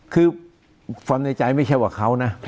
คือความในใจไม่ใช่ว่าเขานะ